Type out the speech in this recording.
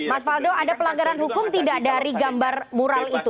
mas faldo ada pelanggaran hukum tidak dari gambar mural itu